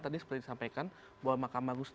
tadi seperti disampaikan bahwa mahkamah agung